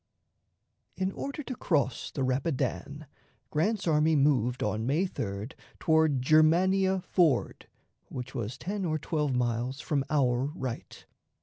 In order to cross the Rapidan, Grant's army moved on May 3d toward Germania Ford, which was ten or twelve miles from our right.